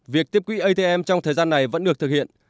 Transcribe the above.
việc tiếp quỹ atm trong thời gian này vẫn được thực hiện